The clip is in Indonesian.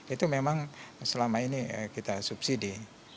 itu memang selama ini kita subsidi